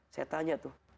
saya tanya tuh